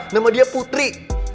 nama dia putri